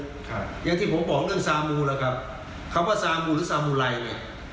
อย่างที่ผมบอกเรื่องซามูล่ะครับคำว่าซามูหรือซามูไรเนี่ย